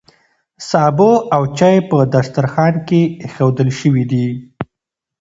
سابه او چای په دسترخوان کې ایښودل شوي دي.